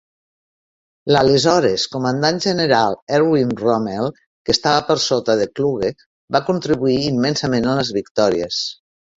L'aleshores comandant general Erwin Rommel, que estava per sota de Kluge, va contribuir immensament a les victòries.